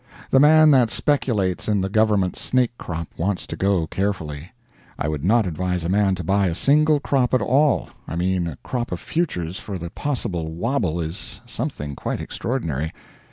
The man that speculates in the government's snake crop wants to go carefully. I would not advise a man to buy a single crop at all I mean a crop of futures for the possible wobble is something quite extraordinary.